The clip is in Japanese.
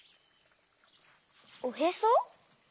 おへそ？